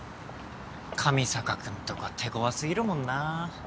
上坂君とか手ごわすぎるもんな。